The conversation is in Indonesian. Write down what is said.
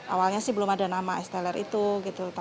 awalnya sih belum ada nama es teler itu gitu